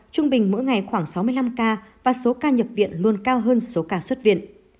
trung bình mỗi ngày khoảng sáu mươi năm ca và số ca nhập viện luôn cao hơn số ca xuất viện